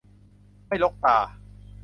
ไม่รกตา